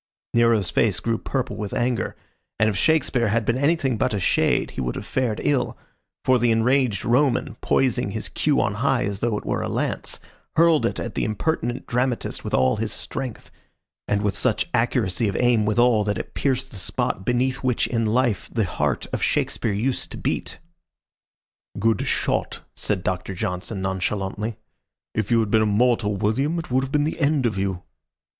Nero's face grew purple with anger, and if Shakespeare had been anything but a shade he would have fared ill, for the enraged Roman, poising his cue on high as though it were a lance, hurled it at the impertinent dramatist with all his strength, and with such accuracy of aim withal that it pierced the spot beneath which in life the heart of Shakespeare used to beat. "Good shot," said Doctor Johnson, nonchalantly. "If you had been a mortal, William, it would have been the end of you."